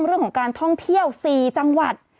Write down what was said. เรื่องของการท่องเที่ยว๔จังหวัด